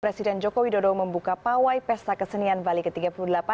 presiden joko widodo membuka pawai pesta kesenian bali ke tiga puluh delapan